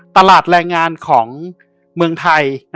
แรงงานของเมืองไทย